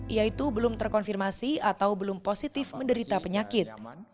yaitu belum terkonfirmasi atau belum positif menderita penyakit